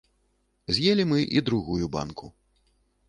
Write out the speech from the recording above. З'елі мы і другую банку.